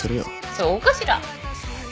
そうかしら？